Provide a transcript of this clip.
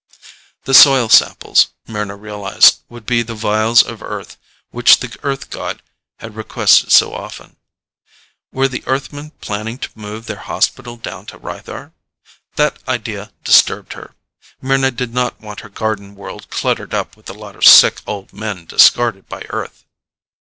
The soil samples, Mryna realized, would be the vials of Earth which the Earth god had requested so often. Were the Earthmen planning to move their hospital down to Rythar? That idea disturbed her. Mryna did not want her garden world cluttered up with a lot of sick, old men discarded by Earth.